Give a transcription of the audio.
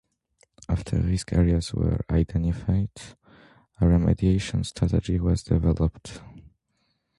After risk areas were identified, a remediation strategy was developed.